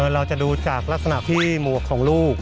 เราจะดูจากลักษณะที่หมวกของลูก